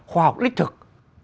khoa học lý thực